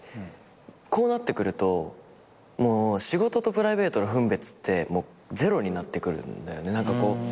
こうなってくると仕事とプライベートの分別ってゼロになってくるんだよね。